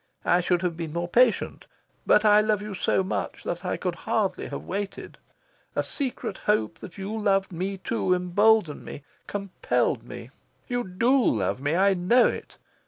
I should have been more patient. But I love you so much that I could hardly have waited. A secret hope that you loved me too emboldened me, compelled me. You DO love me. I know it.